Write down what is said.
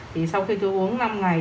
thì sau khi tôi uống năm ngày